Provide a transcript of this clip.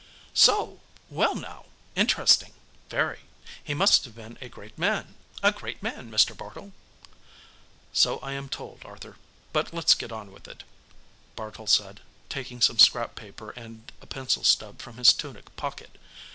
"So? Well, now. Interesting very. He must have been a great man, a great man, Mr. Bartle." "So I am told, Arthur. But let's get on with it," Bartle said, taking some scrap paper and a pencil stub from his tunic pocket.